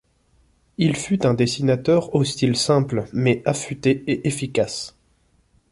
Il fut un dessinateur au style simple mais affûté et efficace.